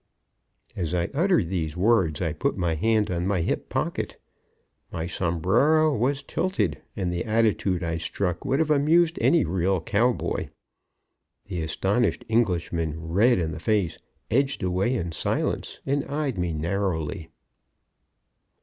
As I uttered these words I put my hand on my hip pocket. My sombrero was tilted, and the attitude I struck would have amused any real cowboy. The astonished Englishman, red in the face, edged away in silence and eyed me narrowly.